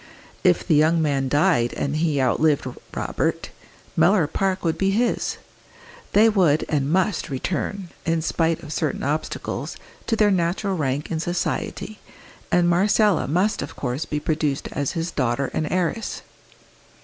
If the young man died and he outlived Robert, Mellor Park would be his; they would and must return, in spite of certain obstacles, to their natural rank in society, and Marcella must of course be produced as his daughter and heiress.